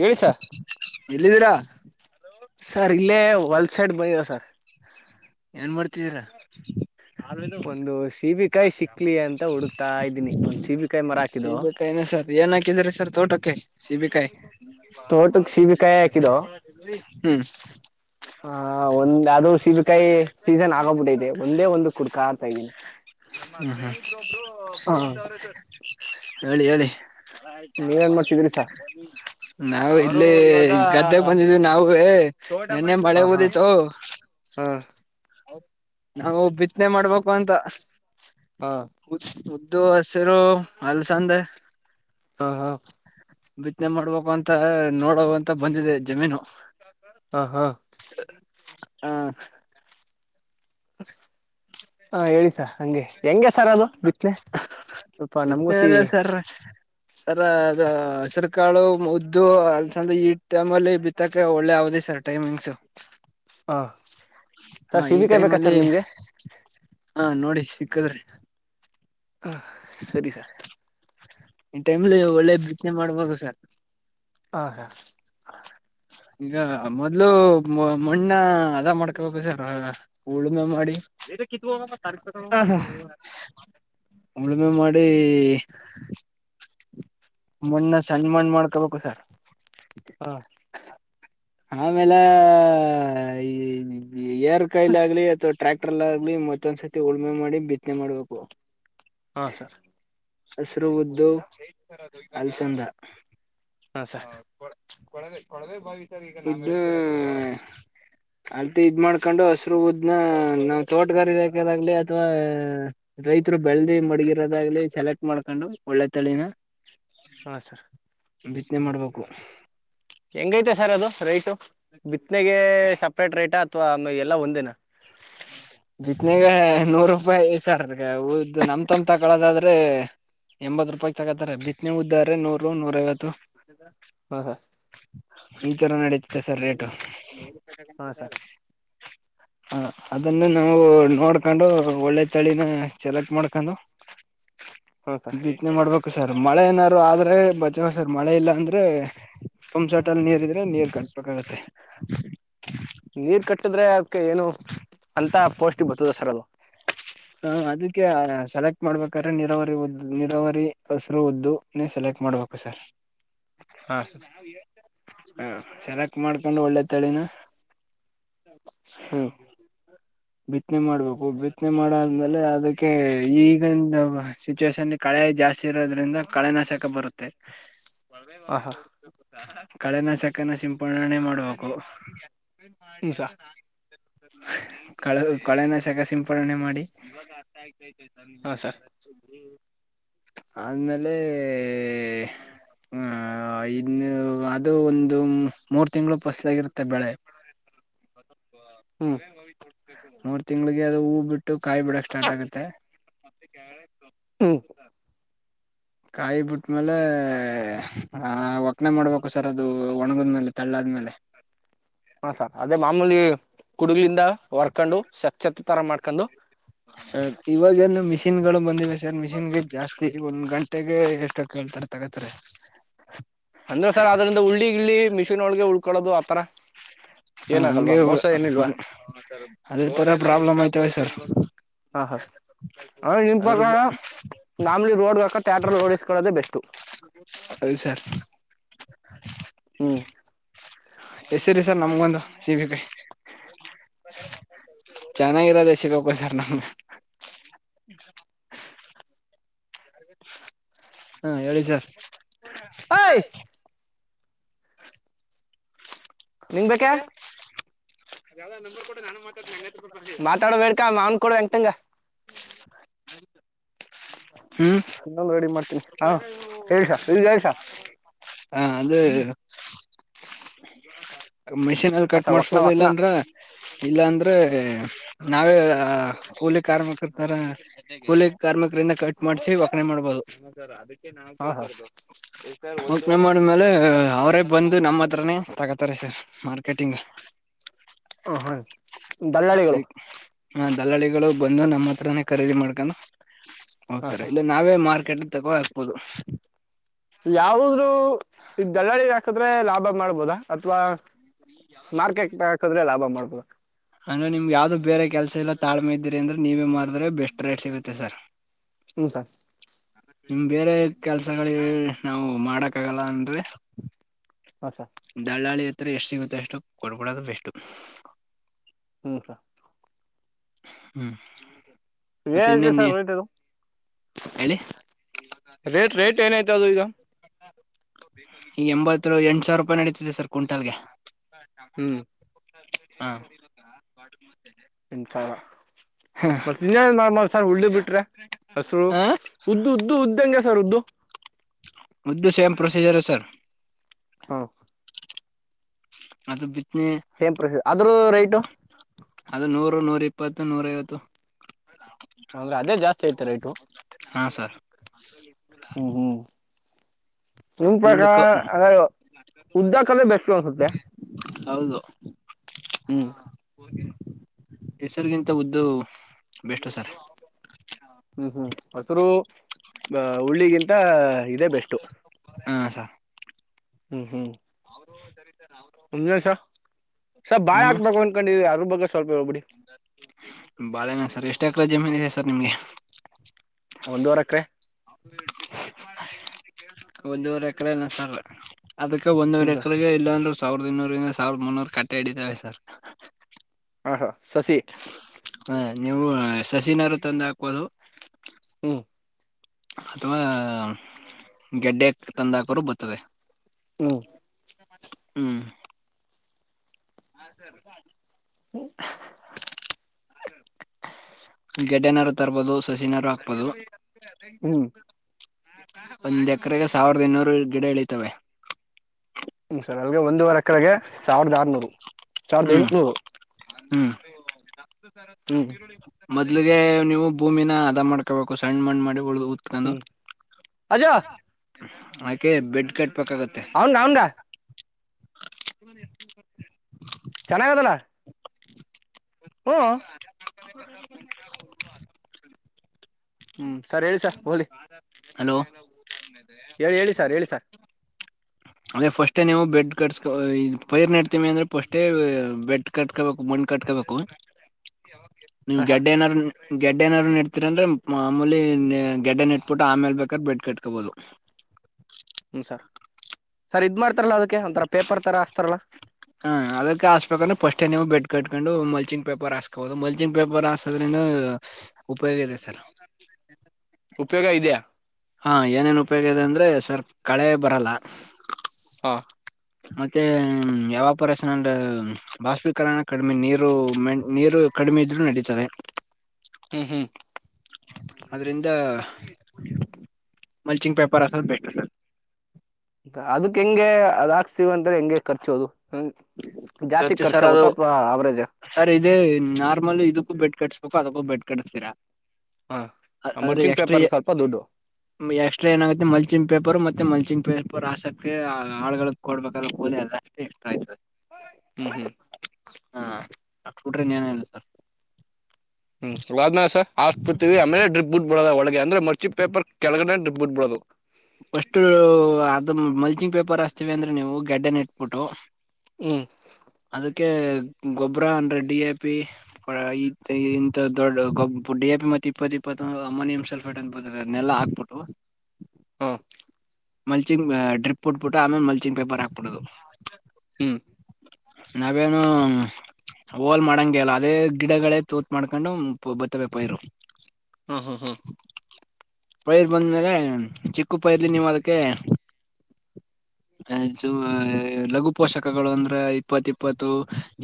ಹೇಳಿ ಹ್ಮ ಸರ್ [unintelligible] ಎಲ್ಲಿದ್ದೀರಾ ಸರ್ ಇಲ್ಲೇ ಹೊಲ್ಸೆಡ್ ಬೈಯ ಸರ್. ಏನ್ ಮಾಡ್ತಿದೀರಾ ಒಂದು ಸೀಬಿಕಾಯಿ ಸಿಕ್ಲಿ ಅಂತ ಹುಡುಕ್ತಾ ಇದ್ದೀನಿ ಒಂದ್ [unintelligible] ಸೀಬಿಕಾಯಿ ಮರ ಹಾಕಿದ್ದು ಸೀಬೆ ಕಾಯಿನ ಸರ್ ಏನ್ ಹಾಕಿದ್ರ ಸರ್ ತೋಟಕ್ಕೆ ಸೀಬೆ ಕಾಯಿ ತೋಟಕ್ ಸೀಬಿಕಾಯಿ ಹಾಕಿದ್ದು [inaudible] ಆ ಒಂದ್ ಅದು ಹ್ಮ್. ಸೀಬಿಕಾಯಿ ಸೀಸನ್ ಆಗ್ಬಿಟ್ಟದೆ ಒಂದೆ ಒಂದು ಕುಡ್ಕಾ ಆರ್ತಾ ಇದ್ದೀನಿ ಹ ಹೇಳಿ ಹೇಳಿ. ನೀವೇನ್ ಮಾಡ್ತಿದ್ರಿ ಸರ್ [inaudible] ನಾವ. ಅಲ್ಲಿ ಗದ್ದೆಗೆ ಬಂದಿದ್ವಿ ನಾವೇ. [inaudible] ನನ್ನೆ ಹ ಮಳೆ ಹಾ ಹೂದಿತ್ತು. ಹ ನಾವು ಬಿತ್ತನೆ ಮಾಡ್ಬೇಕು ಅಂತ. ಹ ಹದ. ಇದು ಹಸಿರು ಅಲ್ಸಂದ. ಹಾ ಹಾ. ಬಿತ್ತನೆ ಮಾಡ್ಬೇಕ ಅಂತ ನೋಡ ಅಂತ ಬಂದಿದೆ ಜಮೀನು. ಹಾ ಹಾ. ಹಾ. ಹಾ ಹೇಳಿಸ ಹಂಗೆ. ಹೆಂಗೆ ಸರ್ ಅದು ಬಿತ್ನೆ ಸ್ವಲ್ಪ ನಮಗೂಸ. ಬಿತ್ತನೆ ಸರ್ ಸರ್ ಅದ ಹಸರು ಕಾಳು ಮುದ್ದು ಅಲ್ಸಂದ್ರೆ ಈಟ್ ಟೈಮಲ್ಲಿ ಬಿತ್ತಕ ಒಳ್ಳೆ ಅವದಿ ಸರ್ ಟೈಮಿಂಗ್ಸು. ಹಾ ಹಾ ಈ ಟೈಮ್ ಅಲ್ಲಿ ಹ ನೋಡಿ ಸಿಕ್ಕದ್ರಿ. ಹಾ ಸರಿ ಸಾರ್ ಇ ಟೈಮ್ಲ್ಲಿ ಒಳ್ಳೆ ಬಿಸನೆ ಮಾಡಬಹುದು ಸರ್. ಹ ಹಾ ಈಗ ಮೊದ್ಲು ಮಣ್ಣ ಅದ ಮಾಡ್ಕೊು ಸರ್ ಹೂಳನ ಮಾಡಿ. ಕರ್ಕ. ಸರ್ ಉಳುಮೆ ಮಾಡಿ ಮಣ್ಣ ಸಣ್ಣ್ಮಣ್ಣ ಮಾಡ್ಕೊಬೇಕು ಸರ್. ಹಾ ಆಮೇಲೆ. [inaudible] ಎರ್ ಕೈಲಿ ಆಗ್ಲಿ ಅಥವಾ. ಮಟ್ರಲ್ಲ ಆಗ್ಲಿ ಮತ್ತೊಂದ್ಸತಿ ಉಳುಮೆ ಮಾಡಿ ಬಿತ್ತನೆ ಮಾಡ್ಬೇಕು. ಹಾ ಸರ್. ಅಸರುದು ಅಲ್ಸಂದ. ಹಾ ಹ ಸರ್ ಕೊ ಕೊಡಗ. ಾವ ಈ ಇದ ಅಲ್ತಿ ಇದ್ ಮಾಡ್ಕೊಂಡು ಹಸರು ದ್ನ ನಾವ್ ತೋಟಗಾರಿ ಹಕದಾಗ್ಲಿ ಅಥವಾ ರೈತರು ಬೆಳದಿ ಮಡಗಿರೋದಾಗ್ಲಿ ಸೆಲೆಕ್ಟ್ ಮಾಡ್ಕೊಂಡು ಒಳ್ಳೆ ತಳಿನ. ಹಾ ಸರ್. ಬಿತ್ತನೆ ಮಾಡ್ಬೇಕು ಹೆಂಗೈತೆ ಸರ್ ಅದು ರೈಶು ಬಿತ್ನೆಗೆ ಸಪ್ರೇಟ್ ರೇಟ್ ಆತ ಅಥವಾ ಆಮೇ ಎಲ್ಲ ಒಂದೇನಾ ಬಿತ್ನೆಗೆ ನೂರು ರೂಪಾಯಿ ಸರ್ ಉದ್ದ ನಮ ತಮ್ ತಕಳೋದಾದ್ರೆ ಎಂಬತ್ ರೂಪಾಯ ತಗತ್ತಾರ ಬಿತ್ತನೆ ಉದ್ದ್ರೆ ನೂರು ನೂರ ಐವತ್ತು ಹಾ ಹಾ ಈಥರ ನಡುತ್ತೆ ಸರ್ ರೇಟು ಹಾ ದ ಸರ್ ಹ ಅದನ್ನು ನಾವು ನೋಡ್ಕೊಂಡು ಒಳ್ಳೆ ತಳಿನ ಸೆಲೆಕ್ಟ್ ಮಾಡ್ಕೊಂಡು ಹಾ ಸರ್ ಬಿತನೆ ಮಾಡ್ಬೇಕು ಸರ್ ಮಳೆ ಏನಾದಾರರು ಆದ್ರೆ ಬಚ ಸರ್ ಮಳೆ ಇಲ್ಲ ಅಂದ್ರೆ ತುಮ ಸಟಲ್ಲಿ ನೀರ್ ಇದ್ರೆ ನೀರ್ ಕಟ್ಬೇಕಾಗತ್ತೆ ನೀರ್ ಕಟ್ಟಿದ್ರೆ ಅದ್ಕ್ಕೆ ಏನು ಅಂತ ಪೋಸ್ಟ ಬರ್ತದ ಸರ್ ಅಲ್ಲ ಹ ಅದಕ್ಕೆ ಸೆಲೆಕ್ಟ್ ಮಾಡ್ಬೇಕಾದ್ರೆ ನೀರಾವರಿ ಉದ್ದ ನೀರಾವರಿ ಹೆಸರು ಉದ್ದೇ ಸೆಲೆಕ್ಟ್ ಮಾಡ್ಬೇಕು ಸರ್ ಹಾ ಸರ್ ನಾವ್ ಹೇಳ್ತ ಹ ಚೆನ್ನಕ್ ಮಾಡ್ಕೊಂಡು ಒಳ್ಳೆ ತಳಿನ ಹ್ಮ್ ಬಿತ್ತನೆ ಮಾಡ್ಬೇಕು ಬಿತ್ತನೆ ಮಾಡಾದ್ಮೇಲೆ ಅದಕ್ಕೆ ಈಗಂದು ಸಿಚುವೇೇಶನ್ ಕಳೆ ಜಾಸ್ತಿ ಇರೋದ್ರಿಂದ ಕಳೆನಾಶಕ ಬರುತ್ತೆ ಬರ್ದೇ ಹ ಹಾ ಬಾಬಿೋಡ್ ಕಳೆನ ಚಕನ ಸಿಂಪಣೆ ಮಾಡ್ಬೇಕು ಏನ್ ಮಾಡಿ ಹ್ಮ್ ಸರ್ ಅಂತ ನ [inaudible] ಕಳು ಕಳೆನ ಶಕ ಸಿಂಪಣೆ ಮಾಡಿ ಬಾಯ್ ಹಾ ಸರ್ ಆದ್ಮೇಲೆ ಹಹ ಇನ್ನು ಅದು ಒಂದು ಮೂರ್ ತಿಂಗಳು ಫಸ್ಲಾಗಿರುತ್ತೆ ಬೆಳೆ ಹ್ಮ್ ಒಳ್ಳೆ ಭವಿ ಮೂರ್ ತಿಂಗಳಿಗೆ ಅದು ಹೂ ಬಿಟ್ಟು ಕಾಯಿ ಬಿಡಕ್ ಸ್ಟಾರ್ಟ್ ಆಗತ್ತೆ ಹ ಕಾಯಿ ಬಿಟ್ಟ್ಮೇಲೆ ಆ ಒಕ್ನೆ ಮಾಡ್ಬೇಕು ಸರ್ ಅದು ಒಣಗದ್ಮೇಲೆ ತಳ್ಳ ಆದ್ಮೇಲೆ ಹಾ ಸರ್ ಅದೇ ಮಾಮೂಲಿ ಹಡುಗಲಿಂದ ಹೊರ್ಕೊಂಡು ಸಕ್ತ್ ತರ ಮಾಡ್ಕೊಂಡು ಇವಾಗ ಏನು ಮಿಷಿನ್ ಗಳು ಬಂದಿವೆ ಸರ್ ಮಿಷಿನ್ ಜಾಸ್ತಿ ಒಂದ್ ಗಂಟೆಗೆ ಎಷ್ಟ ಕೇಳ್ತಾರ ತಗತ್ರಿ ಅಂದ್ರ ಸರ್ ಅದ್ರಿಂದ ಉುಳ್ಳಿ ಇಿ ಮಿಷಿನ್ ಒಳಗೆ ಉಳ್ಕೊಳದು ಆತರ ಹ ಏನಾಗಲ್ವಾ ಹಗೆ ಮೋಸ ಏನಿಲ್ವಾ ಅದೇ ತರ ಪ್ರಾಬ್ಲಮ್ ಆಯ್ತ ವೆ ಸರ್ ಹಾ ಹಾ್ರೆ ನಿನ್ ಅದ್ರ ಪ್ರಕಾರ ನಮ್ಲಿ ರೋಡ್ಕ ಥ್ಯಾಟ್ರ ರೋಡಸ್ಕೊಳ್ಳೋದೆೇ ಬೆಸ್ಟ್ು ಅದ ಸರ್ ಹ್ಮ್ ಎಸಿರಿ ಸರ್ ನಮ್ಗೊಂದು ಚೆನ್ನಾಗಿರೋದ ಸಿಗಪ ಸರ್ ನಮಗೆ ಹಾ ಏಳ ಸಸ್ ಹಾಯ ನಿಂಗ್ ಹನ್ ಬೇಕ ಬಾ ಅದಾವ ನಮ್ ಕೂ ಮಾತಾಡಬೇಡ್ಕ ಮಾವನ್ ಕಡ ಹೆಂಗಂತಂಗ ಹ ಇನ್ನ ರೆಡಿ ಮಾಡ್ತಿ ಹಾ ಹೇಳೇಳ್ಸಾ ಹೇಳಸಾ ಹಾ ಅದೇ ಮೆಷಿನ್ ಅಲ್ಲಿ ಹಾ ಕಟ್ ಸರ್ ಒಕ್ನ ಮಾಡಸ್ಬೋದ ಒಕ್ನ ಇಲ್ಲಾಂದ್ರ ಇಲ್ಲಾಂದ್ರೆ ನಾವೇ ಕೂಲಿ ಕಾರ್ಮಿಕರ ತರ ಕೂಲಿ ಕಾರ್ಮಿಕರಿಂದ ಕಟ್ ಮಾಡಸಿ ವಕನೆೆ ಮಾಡ್ಬೋದು ೆ ನಾ್ ಹಾ ಹ ಕೇಳ್ತಿರದು ೋಷನೆೆ ಮಾಡ್ಮೇಲೆ ಅವರೇ ಬಂದು ನಮ್ಮ ಹತ್ರನೇ ತಗತ್ತ ತಾರೆ ಸರ್ ಮಾರ್ಕೆಟಿಂಗ್ ಹ ಹ ದಲ್ಲಾಳಿಗಳು ದಲ್ಲಾಳಿಗಳು ಬಂದು ನಮ್ಮ ಹತ್ರನೇ ಖರೀದಿ ಮಾಡ್ಕಾನ ಹ ಹೋಗ್ತಾರೆ ಸ ಇಲ್ಲ ನಾವೇ ಮಾರ್ಕ್ ಕೆಟ್ಟ ತಗೋ ಆಗ್ಬೋದು ಯಾವ ಈ ಗಲ್ಲಾಳ ಹಾಕ ಲಾಭ ಮಾಡ್ಬೋದಾ ಅಥವಾ ಮಾರ್ಕೆಟ್ ಹಾಕದ್ರೆ ಲಾಭ ಮಾಡ ಹಬ ಅಂದ್ರೆ ನಿಮ್ಗೆ ಯಾವವು್ದು ಬೇರೆ ಕೆಲಸ ಎಲ್ಲ ತಾಳ್ಮೆ ಇದ್ದೀರಿ ಅಂದ್ರೆ ನೀವೇ ಮಾರಿದ್ರೆ ಬೆಸ್ಟ್ ರೈಟ್ ಸಿಗುತ್ತೆ ಸರ್ ಹ್ಮಞ ಸ ನಿಮ್ ಬೇರೆ ಕೆಲ್ಸಗಳ ನಾವವು ಮಾಡಕ್ ಆಗಲ್ಲ ಅಂದ್ರೆ ಹಾ ಸರ್ ದಾಳಿ ಎಷ್ಟು ಸಿಗುತ್ತೆ ಎಷ್ಟು ಕೊಡ್ಬಿಡದು್ ಬೆಷ್ಟು ಹ್ಮ್ ಹಾ ಹ್ಮ್ ಮತ್ತೆ ಏನ್ಯತ ಇನ್ನೇನ್ ನೀ ಸರ್ ರೇ ಅದು ಹೇಳಿ ರೇಟ್ ರೇಟ್ ಏನಾಯತ ಅದು ಈಗ ಈಗ ಎಂಬತ್ತು ಎಂಟು ಸಾವಿರ ರೂಪಾಯಿ ನಡೀತಿದೆ ಸರ್ ಕ್ವಿಂಟಲ್ಗೆ ಹ ಟಮಟ ಹ್ಮ್ ಹಾ ಎಂಟು ಸಾವಿರ ನಾರ್ಮಲ್ ಸರ್ ಉಳ್ಳಿ ಬಿಟ್ರೆ ಹೆಸರು ಹ ಉದ್ದು ಉದ್ದು ಉದ್ದ ಹೆಂಗೆ ಸರ್ ಉದ್ದು ಉದ್ದು ಸೇಮ್ ಪ್ರೊಸಿಜರ್ ಸರ್ ಹಾ ಅದು ಬಿ ಸೇಮ್ ಪ್ರೊಸ ಅದ್ರೂದ ರೇಟು ಅದು ನೂರು ನೂರ ಇಪ್ಪತ್ತು ನೂರ ಐವತ್ತು ಅಂದ್ರೆ ಅದೇ ಜಾಸ್ತಿ ಆಯ್ತು ರೇಟು ಹಾ ಸರ್ ಹುಂ ಹುಂ ನಿಮ್ಮ ಕ ಉದ್ದ ಕಲೆ ಬೆಸ್ಟ್ ಅನ್ಸುತ್ತೆ ಹೌದು ಹ್ಮ್ ಹೆಸರಿಗಿಂತ ಉದ್ದು ಬೆಸ್ಟ್ ಸರ್ ಹೆಸರು ಉಳ್ಳಿಗಿಂತ ಇದೇ ಬೆಸ್ಟು ಹಾ ಸರ್ ಹ್ಮ್ ಹ್ಮ್ ಸರಿ ಹೇಳಿ ಸರ್ ಸರ್ ಬಾಳ ಹಾಕ್ಬೇಕು ಅಂದಕೊಂಡಿದವಿ ಅದರ ಬಗ್ಗೆ ಸ್ವಲ್ಪ ಹೇಳ್ಬಿಡಿ ಬಾಳೆಹಣ್ಣು ಸರ್ ಎಷ್ಟು ಎಕ್ರೆ ಜಮೀನಿದೆ ಸರ್ ನಿಮ್ಗೆ ಒಂದುವರೆ ಎಕರೆ ಒಂದೂವರೆ ಎಕರೆನಾ ಸರ್ ಅದಕ್ಕ ಹ್ಮ್ ಒಂದೂವರೆ ಸರ್ ಎಕರೆಗೆ ಇಲ್ಲಾಂದ್ರ ಸಾವಿರದ ಇನ್ನೂರಿಂದ ಸಾವಿರದ ಮುನ್ನೂರು ಕಟ್ಟ ಇಡಿತಾವೆ ಸರ್ ಹಾ ಹಾ ಶಶಿ ಹ ನೀವು ಸಸಿನರು ತಂದು ಹಾಕೋದು ಹ್ಮ್ ಅಥವಾ ಗೆಡ್ಡೆ ತಂದಾಕರು ಬರ್ತದೆ ಹ್ಮ ಹ್ಮ್ ಹಾ ಸರ್ ಹ್ಮ ಗೆಡ್ಡನವರು ತರ್ಬೋದು ಸಸಿನವರು ಹಾಕ್ಬೋದು ಅದೇ ಹ್ಮ್ ಒಂದ್ ಎಕರೆಗೆ ಸಾವಿರದ ಇನ್ನೂರು ಗಿಡ ಇಳೀತವೆ ಹ್ಮ್ ಸರ್ ಹಂಗೆ ಒಂದು ವಾರ [unintelligible] ಹ್ಮ್ ಎಂಟುನೂರು ಹ್ಮ್ ಹ್ಮ್ ಮೊದ್ಲಿಗೆ ನೀವು ಭೂಮಿನ ಅದ ಮಾಡ್ಕೋಬೇಕು ಸಣ್ಣಮಣ್ ಮಾಡಿ ಉಳಿದು ಹುತ್ಕೊಂಡು ಹ್ಮ್ ಅಜೋ ಆಕೆ ಬೆಡ್ ಕಟ್. ಬೇಕಾಗುತ್ತೆ. ಅವನ್ಗ ಅವನ್ಗ ಎತ [inaudible] ಓ. [inaudible] ಹ್ಮ್ ಸರ್ ಹೇಳಿ ಸ ಹೋಲಿ. ಹಲೋ. ಒಮ್ಮೆದೆ ಸರ್ ಹೇಳಿ ಸರ್ [inaudible] ಅದೇ ಫಸ್ಟೇ ನೀವು ಬೆಡ್ ಕಟ್ಸ್ಕೊ್ ಪೈರ್ ನಡ್ತೀವಿ ಅಂದ್ರೆ ಫಸ್ಬೆಡ್ ಕಟ್ಕೋಬೇಕು ಮಣ್ ಕಟ್ಕೋಬೇಕು. ನೀವ್ ಹಾ ಹಾ ಗೆಡ್ಡೆ ಏನಾರ್ ಗೆಡ್ ಏನಾರೂ ಇಡ್ತಿರ ಅಂದ್ರೆ. ಮಾಮೂಲಿ ಗೆಡ್ಡನ ಇಟ್ಬಿಟ್ಟು ಆಮೇಲ್ ಬೇಕಾದ್ರೆ ಬೆಡ್ ಕಟ್ಕೋಬಹದು. ಸರಿ ಇದ್ ಮಾಡ್ತಾರಲ್ಲಾ ಅದಕ್ಕೆ ಒಂಥರ ಪೇಪರ್ ತರ ಹಸ್ತಾರಲ್ಲ. ಹಾ ಅದಕ್ಕೆ ಹಾಸ್ಬೇಕಂದ್ರೆ ಫಸ್ಟ್ ನೀವು ಬೆಡ್ ಕಟ್ಕೊಂಡು ಮಲ್ಚಿಂಗ್ ಪೇಪರ್ ಹಾಸ್ಕೋಬಹುದು ಮಲ್ಚಿಂಗ್ ಪೇಪರ್ ಹಾಸದ್ರನು ಉಪಯೋಗ ಇದೆ ಸರ್. ಉಪಯೋಗ [unintelligible] ಇದೆಯಾ ಹಾ ಏನೇನ್ ಉಪಯೋಗ ಇದೆ ಅಂದ್ರ. ಅಂದ್ರೆ ಸರ್ ಕಳೆ ಬರಲ್ಲ. ಹಾ ಮತ್ತೆ ಯವಪರೇಷನ್ ಅಂಡ್ ಬಾಸ್ಪೀಕರಣ ಕಡಿಮೆ ನೀರು ನೀರು ಕಡಿಮೆ ಇದ್ರು ನಡೀತದೆ. ಹ್ಮ್ ಹ್ಮ್. ಅದ್ರಿಂದ ಮಲ್ಚಿಂಗ್ ಪೇಪರ್ ಹಾಕೋದ್ ಬೆಟ್ರು ಸರ್. ಅದಕ್ ಹೆಂಗೆ ಅದ ಹಾಕ್ಸ್ತೀವ ಅಂತ್ರೆ ಹೆಂಗೆ ಖರ್ಚು ಅದು. ಖರ್ಚು ಸರ್ ಅದು ಅವರೇಜ್ ಸರ್ ಇದೇ ನಾರ್ಮಲ್ ಇದಕ್ಕೂ ಬೆಡ್ ಕಟ್ಸ. ಅದಕ್ಕೋಬೆಡ್ ಕಡಿಸ್ತೀರ. ಹ ಆ ಆದ್ರೆ ಮರ್ಚಿಂಗ್ ಎಕ್ಸ್ಟ್ರಾ ಪೇಪರ್ ಸ್ವಲ್ಪ ದುಡ್ಡು ಎಕ್ಸ್ಟ್ರಾ ಏನಾಗುತ್ತೆ ಮಲಚಿಂಗ್ ಪೇಪರ್ ಮತ್ತೆ ಮಲ್. ಕಚಿಂಗ್ ಪೇಪರ್ ಹಾಸಕ್ಕೆ ಆಳಗಳ ಕೊಡ್ಬೇಕಲ್ಲ ಕೋಲಿ ಎಲ್ಲಷ್ಟ ಇಷ್ಟ ಆಯ್ತದೆ. ಹ್ಮ್ ಹ್ಮ್. [unintelligible] ಹಷ್ಟು ಬುಟ್ರೆ ಇನ್ನು ಏನು ಇಲ್ಲ ಸರ್. ಹ್ಮ್ ವಾಡ್ಲಾ ಸರ್. ಹಾಕೆಬಿಟ್ಟಿ ಅಲ್ಲೇನೇ ಬಿಟಿಬಿಟ್ಟು ಬರೋದು. ಒಳಗೆ ಅಂದ್ರೆ ಮಲಚಿಂಗ್ ಪೇಪರ್ ಕೆಳಗಡೆನೆ ಬಿಟಿಬಿಟ್ಟು ಬರೋದು. ಫಸ್ಟು ಅದು ಮಲ್ಚಿಂಗ್ ಪೇಪರ್ ಅಸ್ತೀವಿ ಅಂದ್ರೆ ನೀವು ಗಗೆಡ್ಡನ ಇಟ್ಬಿಟ್ಟು. ಹ್ಮ್ ಅದಕ್ಕೆ. ಗೊಬ್ಬ್ರ ಅಂದ್ರೆ ಡಿ ಎ ಪಿ ಇಂತಥ ದೊಡ್ಡ ಗೊಬ್ ಡಿ ಎ ಪಿ ಮತ್ತೆ ಇಪ್ಪತ್ ಇಪ್ಪತ್ತು ಅಮೋನಿಯಂ ಸಲ್ಫೇಟ್ ಅಂತ ಬತ್ತದೆ ಅದನ್ನೆಲ್ಲಾ ಹಾಕ್ಬಿಟ್ಟು. ಹಾಂ. ಮಲ್ಚಿಂಗ್ ಡ್ರಿಪ್ ಉಟ್ಬಿಟ್ಟು ಆಮೇ ಮಲ್ಚಿಂಗ್ ಪೇಪರ್ ಹಾಕ್ಬಿಡುದು. ಹ್ಮ್. ನಾವೇನು ಹೋಲ್ ಮಾಡಂಗೆ ಇಲ್ಲ ಅದೇ ಗಿಡಗಳೇ ತೂತ್ ಮಾಡ್ಕೊಂಡು ಬತ್ತವೇ ಪೈರು. ಹ್ಮ್ ಹ್ಮ್ ಹ್ಮ್. ಪೈರ್ ಬಂದ್ಮೇಲೆ ಚಿಕ್ಕ ಪೈರ್ಲಿ ನೀವು ಅದ್ಕೆ. ಲಘು ಪೋಷಕಗಳು ಅಂದ್ರೆ ಇಪ್ಪತ್ ಇಪ್ಪತ್ತು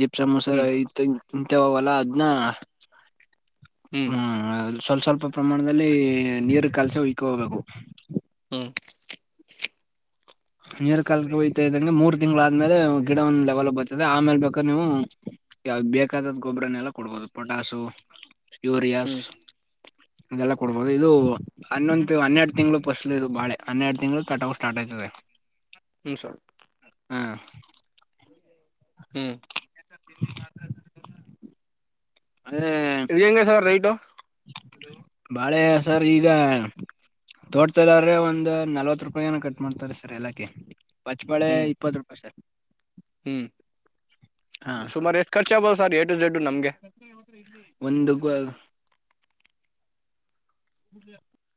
ಜಿಪ್ ಸಮೋಸ ಹ್ಮ್ ಐತ ಇಂತವಲ್ಲ ಅದ್ನ ಹ್ಮ್ ಸ್ವಲ್ ಸ್ವಲ್ಪ ಪ್ರಮಾಣದಲ್ಲಿ ನೀರು ಕಲ್ಸ ಉಯ್ಕ್ ಹೋಗಬೇಕು [unintelligible] ನೀರು ಕಾಲ ಹಯ್ತಾ ಇದಂಗೆ ಮೂರು ತಿಂಗಳಾದ್ಮೇಲೆ ಗಿಡ ಒಂದು ಲೆವೆಲ್ ಬರ್ತದೆ ಆಮೇಲೆ ಬೇಕಾದ ನೀವು ಯಾವ ಬೇಕಾದದ ಗೊಬ್ಬರನ್ನೆಲ್ಲ ಕೊಡ್ಬೋದು ಪೊಟಾಸು ಹ್ಮ್ ಯೂರಿಯಸ್ ಹ್ಮ್ ಇದೆಲ್ಲ ಕೊಡ್ಬೋದು ಇದು ಹನ್ನೊಂದು ಹನ್ನೆರಡು ತಿಂಗಳು ಬಸ್ ಇದು ಬಾಳ ಹನ್ನೆರಡು ತಿಂಗಳು ತಟ ಸ್ಟಾರ್ ಆಯ್ತದೆ ಹ್ಮ್ ಸಲ್ ಹ್ಮ ಹ್ಮ್ ತ [inaudible] ಇ ಹೆಂಗ ಸರ್ ರೈಟ್ ಬಾಳೆ ಸರ್ ಈಗ ತೋಡ್ತದ್ರೆ ಒಂದ ನಲ್ವತ್ ರೂಪಾಯಏನ ಕಟ್ ಮಾಡ್ತಾರೆ ಸರ್ ಎಲ್ಲಾಕ ಪಚ್ಚಬಳೆ ಹ್ಮ್ ಇಪ್ಪತ್ತು ರೂಪಾಯಿ ಸರ್ ಹ್ಮ್ ಸುಮಾರು ಎಸ್ಟ್ ಖರ್ಚ್ ಆಗಬೋದು ಸರ್ ಎ ಟು ಝೆಡ್ ನಮ್ಗೆ [unintelligible] ಒಂದುವ ಹ [inaudible]